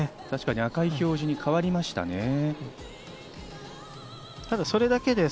確かに赤い表示に変わりましたね。